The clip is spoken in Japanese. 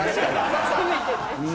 せめてね。